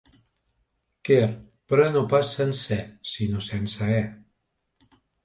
Quer, però no pas sencer sinó sense e.